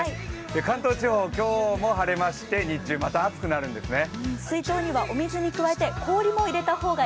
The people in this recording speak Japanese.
関東地方、今日も晴れまして、日中また暑くなるんですね。